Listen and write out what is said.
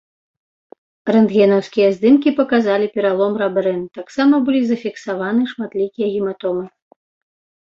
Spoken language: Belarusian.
Рэнтгенаўскія здымкі паказалі пералом рабрын, таксама былі зафіксаваны шматлікія гематомы.